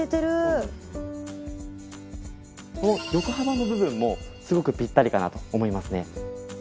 この横幅の部分もすごくピッタリかなと思いますね。